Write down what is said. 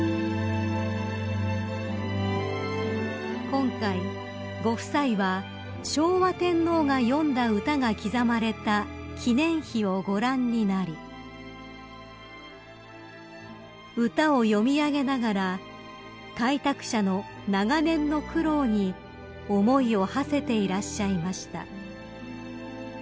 ［今回ご夫妻は昭和天皇が詠んだ歌が刻まれた記念碑をご覧になり歌を読み上げながら開拓者の長年の苦労に思いをはせていらっしゃいました］